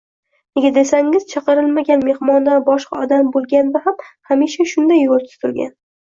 Nega desangiz, chaqirilmagan mehmondan boshqa odam bo`lganda ham hamisha shunday yo`l tutilgan